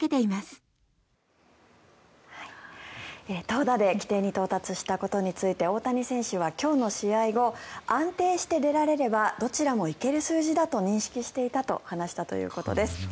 投打で規定に到達したことについて大谷選手は今日の試合後安定して出られればどちらも行ける数字だと認識していたと話したということです。